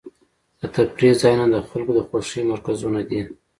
د تفریح ځایونه د خلکو د خوښۍ مرکزونه دي.